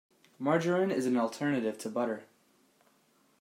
Margarine is an alternative to butter.